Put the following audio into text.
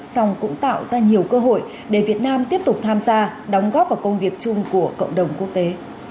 song cũng tạo ra nhiều cơ hội để việt nam tiếp tục tham gia đóng góp vào công việc chung của cộng đồng quốc tế